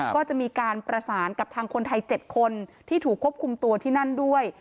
ก็จะมีการประสานกับทางคนไทย๗คนที่ถูกควบคุมตัวที่นั่นด้วย